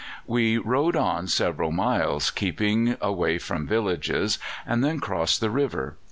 "We rode on several miles, keeping away from villages, and then crossed the river.